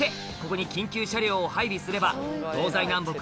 ここに緊急車両を配備すれば東西南北